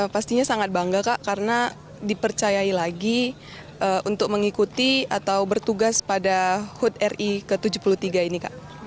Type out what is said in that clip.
pastinya sangat bangga kak karena dipercayai lagi untuk mengikuti atau bertugas pada hut ri ke tujuh puluh tiga ini kak